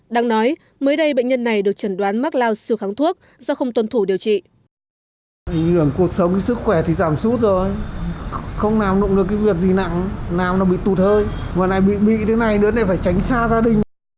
đang nói mới đây bệnh nhân này được chẩn đoán mắc lao siêu kháng thuốc do không tuân thủ điều trị